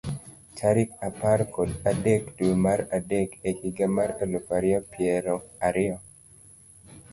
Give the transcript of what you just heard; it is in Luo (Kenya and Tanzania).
Tarik apar kod adek, dwe mar adek, e higa mar elufu ariyo piero ariyo.